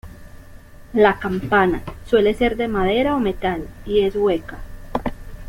La campana suele ser de madera o metal y es hueca.